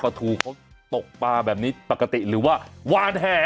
ปลาถูเขาตกปลาแบบนี้ปกติหรือว่าวาแถ